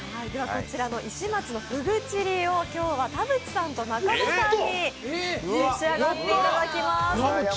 こちらのいし松のふぐちりを今日は田渕さんと中野さんに召し上がっていただきます。